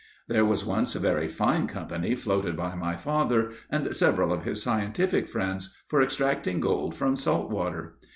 There was once a very fine company floated by my father and several of his scientific friends, for extracting gold from salt water.